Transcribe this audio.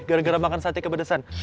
gara gara makan sate kepedesan